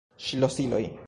Ŝlosiloj!